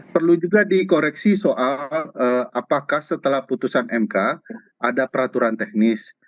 perlu juga dikoreksi soal apakah setelah putusan mk ada peraturan teknis